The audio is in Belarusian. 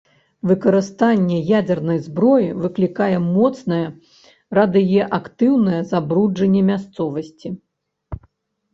Выкарыстанне ядзернай зброі выклікае моцнае радыеактыўнае забруджанне мясцовасці.